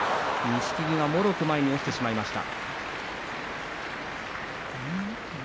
錦木がもろく落ちてしまいました。